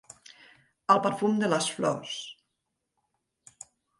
El perfum de les flors.